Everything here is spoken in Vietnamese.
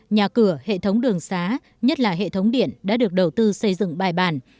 nhà cửa hệ thống đường xá nhất là hệ thống điện đã được đầu tư xây dựng bài bản